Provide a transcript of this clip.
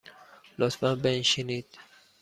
لطفاً بنشینید.